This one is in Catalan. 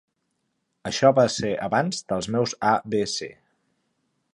Això va ser abans dels meus A B C.